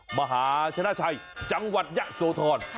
อัพเพอร์มหาชนะชัยจังหวัดยะโสธร